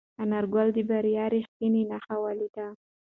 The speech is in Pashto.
انارګل د بریا رښتینې نښه ولیده.